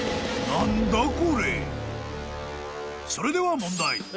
［それでは問題。